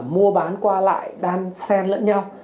mua bán qua lại đan sen lẫn nhau